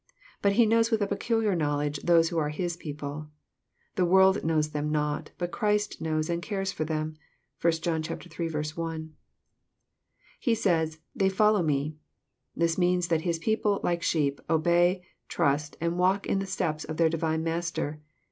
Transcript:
But He knows with a peculiar knowledge those who are His people. The world knows them not, but Christ knows and cares for them. (1 John iii. 1.) He says, " They follow Me." This means that His people, like sheep, obey, trust, and walk in the steps of their Divine Master.